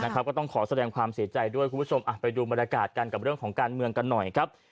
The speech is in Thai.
ก็ต้องขอแสดงความเสียใจด้วยคุณผู้ชมไปดูบรรยากาศกันกับเรื่องของการเมืองกันหน่อยครับ